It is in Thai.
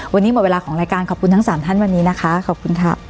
วันนี้หมดเวลาของรายการขอบคุณทั้งสามท่านวันนี้นะคะขอบคุณค่ะ